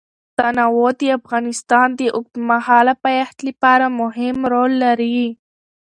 تنوع د افغانستان د اوږدمهاله پایښت لپاره مهم رول لري.